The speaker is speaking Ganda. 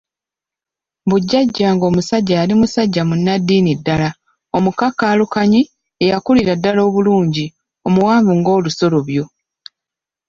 Mbu Jjajjange omusajja yali musajja munnaddiini ddala, omukakaalukanyi, eyakulira ddala obulungi, omuwanvu ng'olusolobyo.